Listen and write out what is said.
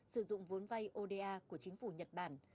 sử dụng vốn vay oda của chính phủ nhật bản